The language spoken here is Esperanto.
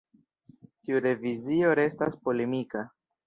Tiu revizio restas polemika.